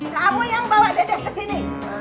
kamu yang bawa dedek kesini